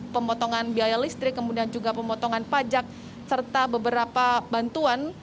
pemotongan biaya listrik kemudian juga pemotongan pajak serta beberapa bantuan